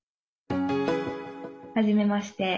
はじめまして。